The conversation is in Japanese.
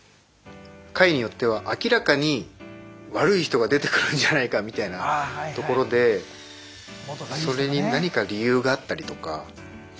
回によっては明らかに悪い人が出てくるんじゃないかみたいなところでそれに何か理由があったりとか。